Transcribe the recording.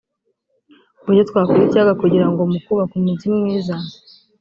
ku buryo twakora ikiyaga kugira ngo mu kubaka umujyi mwiza